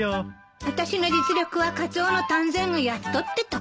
あたしの実力はカツオの丹前がやっとってとこね。